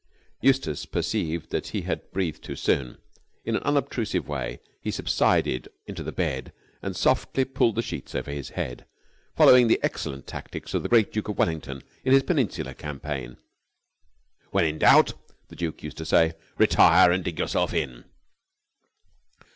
Eustace perceived that he had breathed too soon. In an unobtrusive way he subsided into the bed and softly pulled the sheets over his head, following the excellent tactics of the great Duke of Wellington in his Peninsular campaign. "When in doubt," the Duke used to say, "retire and dig yourself in."